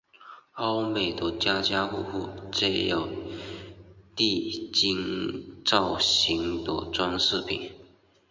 欧美的家家户户皆有地精造型的装饰品。